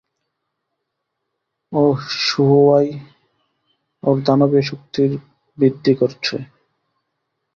ও শুহুয়াই, ওর দানবীয় শক্তির বৃদ্ধি করছে।